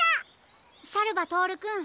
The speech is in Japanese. さるばとおるくん